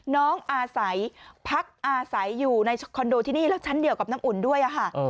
น้องอาศัยพักอาศัยอยู่ในคอนโดที่นี่แล้วชั้นเดียวกับน้ำอุ่นด้วยค่ะ